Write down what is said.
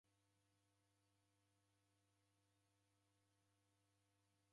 Kama uo mwana usekunde msighe